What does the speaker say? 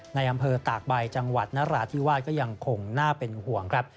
ในอำเภอตากใบจังหวัดนราธิวาสก็ยังคงน่าเป็นห่วงครับ